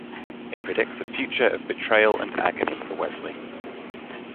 It predicts a future of betrayal and agony for Wesley.